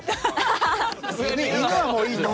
犬はもういいと。